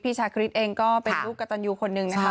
ชาคริสเองก็เป็นลูกกระตันยูคนหนึ่งนะคะ